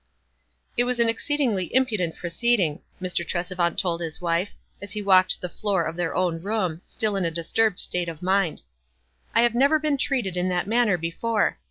"It was an exceedingly impudent proceed ing," Mr. Tresevant told his wife, as he walked the floor of their own room, still in a disturbed state of mind. "I have never been treated in that manner before.